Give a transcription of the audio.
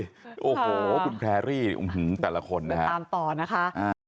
โอ้โหคุณแพรรี่อุ้มหืมแต่ละคนนะตามต่อนะคะ